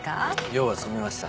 用は済みました。